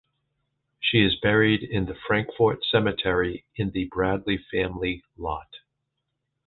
She is buried in the Frankfort Cemetery in the Bradley family lot.